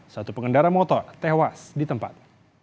satu pengendara motor tewas di tempat